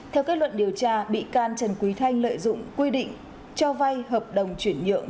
theo kết luận điều tra bị can trần quý thanh lợi dụng quy định cho vay hợp đồng chuyển nhượng